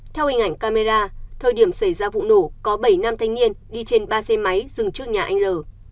theo hình ảnh camera thời điểm xảy ra vụ nổ có bảy nam thanh niên đi trên ba xe máy dừng trước nhà anh l